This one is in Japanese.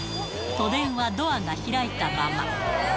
都電はドアが開いたまま。